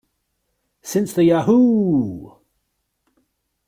Since the Yahoo!